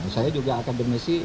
saya juga akademisi